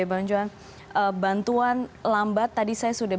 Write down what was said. bang johan bantuan lambat tadi saya sudah